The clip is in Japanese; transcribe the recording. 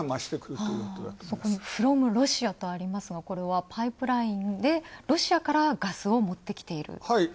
そこにフロムロシアとありますが、これはパイプラインでロシアからガスをもってきてる。